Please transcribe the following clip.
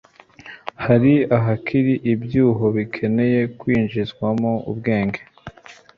Hari ahakiri ibyuho bikeneye kwinjizwamo ubwenge